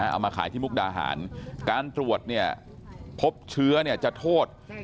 เอามาขายที่มุกดาหารการตรวจเนี่ยพบเชื้อเนี่ยจะโทษ